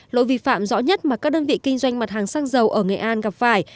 lỗi vi phạm rõ nhất mà các đơn vị kinh doanh mặt hàng xăng dầu ở nghệ an gặp phải